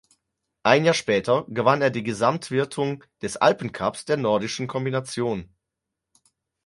Ein Jahr später gewann er die Gesamtwertung des Alpencups der Nordischen Kombination.